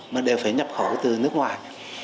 mà đều phải nhập khẩu từ nước ngoài